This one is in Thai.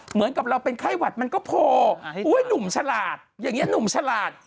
เหมือนกับเราเป็นไข้หวัดมันก็โพลหนุ่มฉลาดอย่างนี้หนุ่มฉลาด